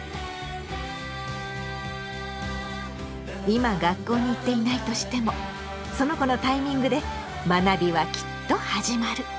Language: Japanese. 今学校に行っていないとしてもその子のタイミングで学びはきっと始まる。